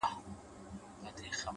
د حقیقت مینه عقل پیاوړی کوي